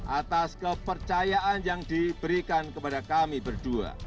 atas kepercayaan yang diberikan kepada kami berdua